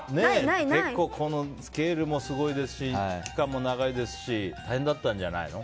スケールもすごいですし期間も長いですし大変だったんじゃないの？